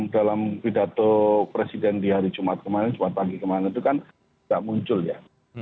dalam pidato presiden di hari jumat kemarin jumat pagi kemarin itu kan tidak muncul ya